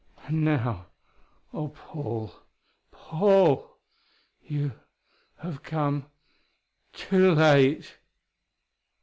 "And now oh, Paul! Paul! you have come too late!"